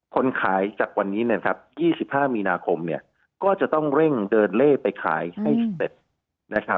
คนขายจากวันนี้๒๕มีนาคมก็จะต้องเร่งเดินเล่ไปขายให้เสร็จนะครับ